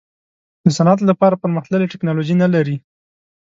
د صنعت لپاره پرمختللې ټیکنالوجي نه لري.